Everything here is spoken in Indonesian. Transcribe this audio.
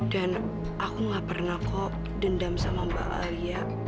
dan aku nggak pernah kok dendam sama mbak alia